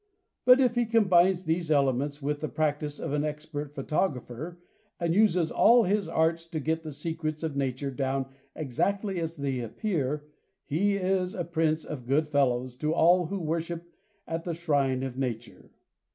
But if he combines these elements with the practice of an expert photographer and uses all his arts to get the secrets of nature down exactly as they appear, he is a prince of good fellows to all who worship at the shrine of nature.